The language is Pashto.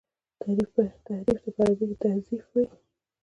تحريف ته په عربي کي تزييف وايي.